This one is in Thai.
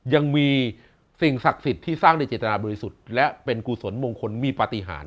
ยังมีสิ่งศักดิ์สิทธิ์ที่สร้างโดยเจตนาบริสุทธิ์และเป็นกุศลมงคลมีปฏิหาร